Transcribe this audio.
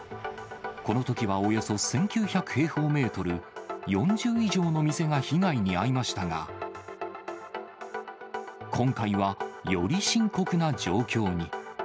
このときはおよそ１９００平方メートル、４０以上の店が被害に遭いましたが、今回は、より深刻な状況に。